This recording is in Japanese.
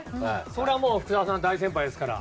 それはもう、福田さんは大先輩ですから。